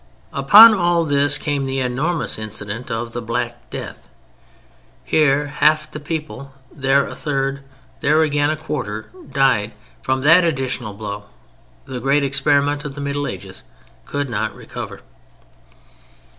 Upon all this came the enormous incident of the Black Death. Here half the people, there a third, there again a quarter, died; from that additional blow the great experiment of the Middle Ages could not recover.